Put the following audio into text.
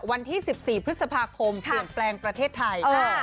วันที่๑๔พฤษภาคมเปลี่ยนแปลงประเทศไทย